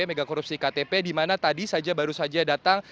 mega korupsi ktp di mana tadi saja baru saja datang